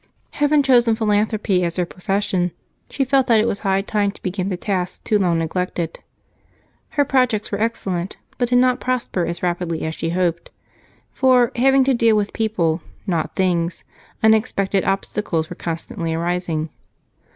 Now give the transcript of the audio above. Having chosen philanthropy as her profession, she felt that it was high time to begin the task too long neglected. Her projects were excellent, but did not prosper as rapidly as she hoped, for, having to deal with people, not things, unexpected obstacles were constantly arising.